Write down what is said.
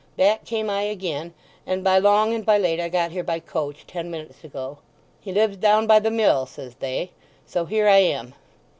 Back came I again, and by long and by late I got here by coach, ten minutes ago. 'He lives down by the mill,' says they. So here I am.